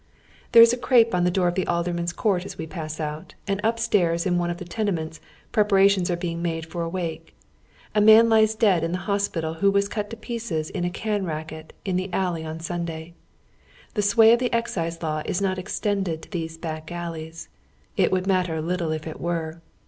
There is crape on the door of the Alderman's court as we pass out, and upstairs in one of the tenements pi'epara tions are making for a wake. A man lies dead in the hos pital who was cut to pieces in a "can racket" in the alley on Sunday, The sway of the excise law is not extended to these back alleys. It would matter little if it were.